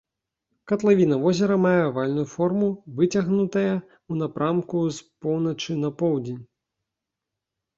Катлавіна возера мае авальную форму, выцягнутая ў напрамку з поўначы на поўдзень.